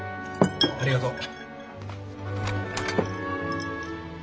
ありがとう。